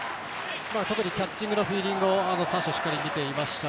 特にキャッチングのフィーリングを見ていました。